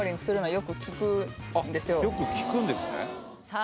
よく聞くんですねさあ